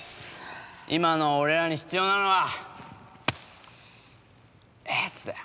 今の俺らに必要なのはエースだよ。